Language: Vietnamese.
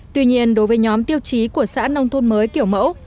tuy nhiên đối với nhóm tiêu chí của xã nông thôn mới kiểu mẫu